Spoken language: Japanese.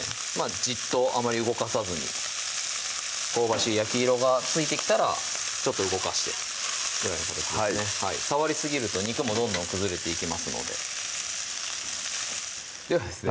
じっとあまり動かさずに香ばしい焼き色がついてきたらちょっと動かしてぐらいの形で触りすぎると肉もどんどん崩れていきますのでではですね